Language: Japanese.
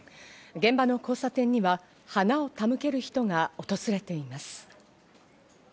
現場の交差点には花を手向ける人が訪れています。